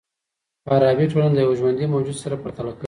فارابي ټولنه د یوه ژوندي موجود سره پرتله کوي.